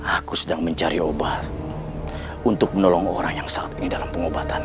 aku sedang mencari obat untuk menolong orang yang saat ini dalam pengobatan